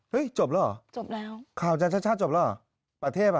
เฮ้ยจบแล้วเหรอข่าวจันทร์ชัดจบแล้วเหรอประเทพฯอ่ะ